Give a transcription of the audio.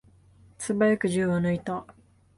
すばやく銃を抜いた。